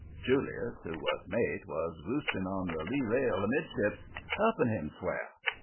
Julius, who was mate, was roosting on the lee rail amid ships, helping him swear.